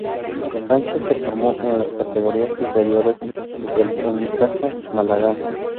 Sánchez se formó en las categorías inferiores del Unicaja Málaga.